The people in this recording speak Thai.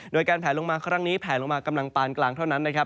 โดยการแผลลงมาครั้งนี้แผลลงมากำลังปานกลางเท่านั้นนะครับ